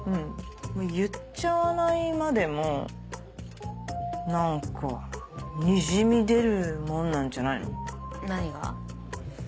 言っちゃわないまでも何かにじみ出るもんなんじゃないの？何が？